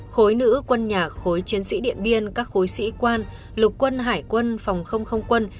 khối nữ quân nhạc khối chiến sĩ điện biên các khối sĩ quan lục quân hải quân phòng không không quân